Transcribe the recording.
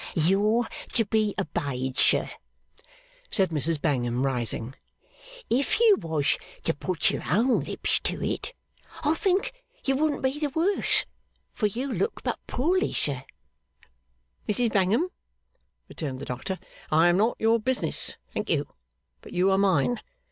'You're to be obeyed, sir,' said Mrs Bangham, rising. 'If you was to put your own lips to it, I think you wouldn't be the worse, for you look but poorly, sir.' 'Mrs Bangham,' returned the doctor, 'I am not your business, thank you, but you are mine.